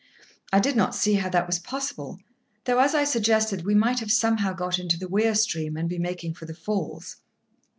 I did not see how that was possible; though, as I suggested, we might have somehow got into the weir stream, and be making for the falls.